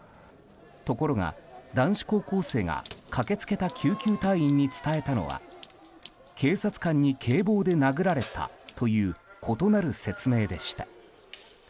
ところが、男子高校生が駆け付けた救急隊員に伝えたのは警察官に警棒で殴られたという異なる説明でした。